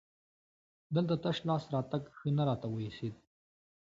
دلته تش لاس راتګ ښه نه راته وایسېد.